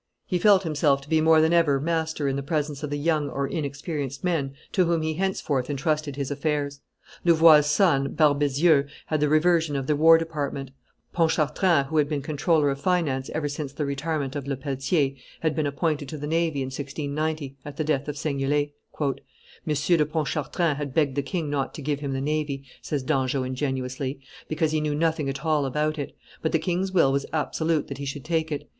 He felt himself to be more than ever master in the presence of the young or inexperienced men to whom he henceforth intrusted his affairs. Louvois' son, Barbezieux, had the reversion of the war department; Pontchartrain, who had been comptroller of finance ever since the retirement of Lepelletier, had been appointed to the navy in 1690, at the death of Seignelay. "M. de Pontchartrain had begged the king not to give him the navy," says Dangeau ingenuously, "because he knew nothing at all about it; but the king's will was absolute that he should take it.